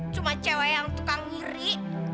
cuma cewek yang tukang ngiri